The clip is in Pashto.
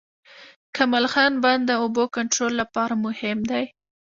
کمال خان بند د اوبو کنټرول لپاره مهم دی